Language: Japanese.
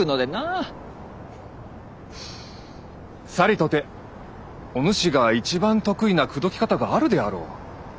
さりとておぬしが一番得意な口説き方があるであろう。